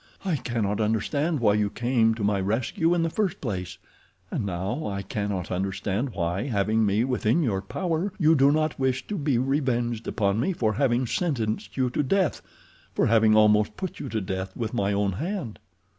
"I cannot understand why you came to my rescue in the first place, and now I cannot understand why, having me within your power, you do not wish to be revenged upon me for having sentenced you to death—for having almost put you to death with my own hand."